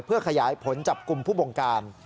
เพื่อขยายผลจากกลุ่มผู้ปกรรม